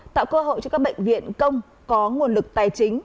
tạo cơ hội cho các bệnh viện công có nguồn lực tài chính